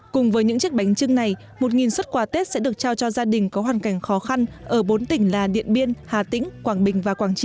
cùng với những chiếc bánh trưng này một xuất quà tết sẽ được trao cho gia đình có hoàn cảnh khó khăn ở bốn tỉnh là điện biên hà tĩnh quảng bình và quảng trị